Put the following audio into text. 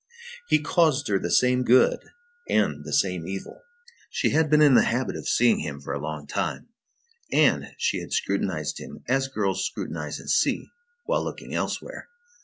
He caused her the same good and the same evil. She had been in the habit of seeing him for a long time, and she had scrutinized him as girls scrutinize and see, while looking elsewhere.